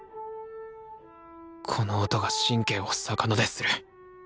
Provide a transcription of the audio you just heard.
この音が神経を逆なでする。